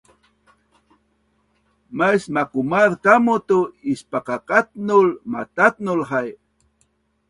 mais makumaaz kamu tu ispakakatnul matatnul hai